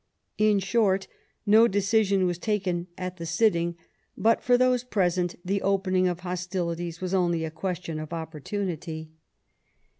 In short, no decision was taken at the sitting, but for those present the opening of hostilities was only a question of oppor tunity.